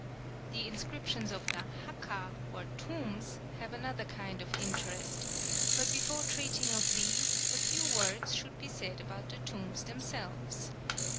The inscriptions of the haka, or tombs, have another kind of interest; but before treating of these, a few words should be said about the tombs themselves.